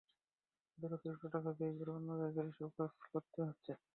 তাঁদের অতিরিক্ত টাকা ব্যয় করে অন্য জায়গায় এসব কাজ করতে হচ্ছে।